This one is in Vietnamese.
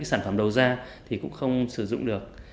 các cái sản phẩm đấu giá thì cũng không sử dụng được